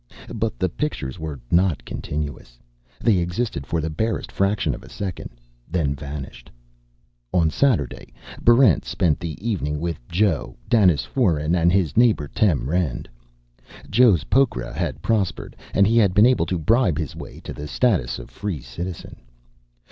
But the pictures were not continuous. They existed for the barest fraction of a second, then vanished. On Saturday, Barrent spent the evening with Joe, Danis Foeren, and his neighbor Tem Rend. Joe's pokra had prospered, and he had been able to bribe his way to the status of Free Citizen.